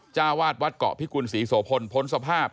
จ้าวาดวัดเกาะพิกุลศรีโสพลพ้นสภาพ